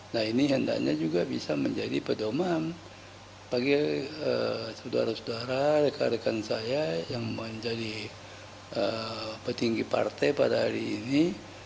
nah ini hendaknya juga bisa menjadi pedoman bagi saudara saudara rekan rekan saya yang menjadi petinggi partai pada hari ini